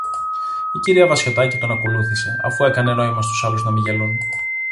Η κυρία Βασιωτάκη τον ακολούθησε, αφού έκανε νόημα στους άλλους να μη γελούν